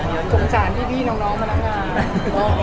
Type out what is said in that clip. ผมก็สงสารที่พี่น้องมานั่งมา